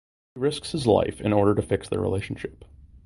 He risks his life in order to fix their relationship.